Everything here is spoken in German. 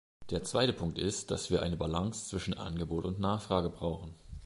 Der zweite Punkt ist, dass wir eine Balance zwischen Angebot und Nachfrage brauchen.